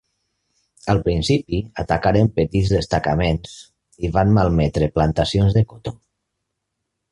Al principi atacaren petits destacaments i van malmetre plantacions de cotó.